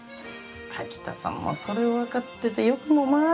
柿田さんもそれを分かっててよくもまぁ。